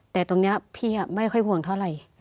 แต่ตรงนี้พี่ไม่ค่อยห่วงเท่าไหร่